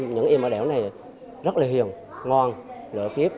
những em ở đảo này rất là hiền ngon lợi phí